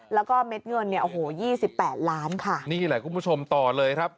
แล้วก็เม็ดเงินเนี่ยโอ้โหยี่สิบแปดล้านค่ะนี่แหละคุณผู้ชมต่อเลยครับ